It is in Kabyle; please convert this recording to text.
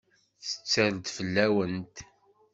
Tetter-d fell-awent.